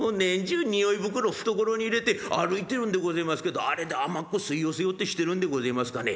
年中匂い袋懐に入れて歩いてるんでごぜえますけどあれで尼っ子吸い寄せようってしてるんでごぜえますかね。